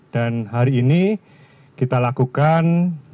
dan hari ini kita lakukan